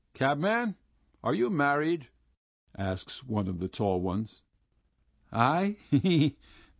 "Cabman, are you married?" asks one of the tall ones. "I? He he!